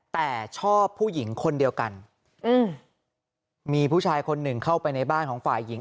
แต่ชอบผู้หญิงคนเดียวกันอืมมีผู้ชายคนหนึ่งเข้าไปในบ้านของฝ่ายหญิง